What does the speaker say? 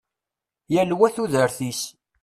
Yal wa tudert-is.